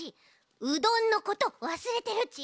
うどんのことわすれてるち！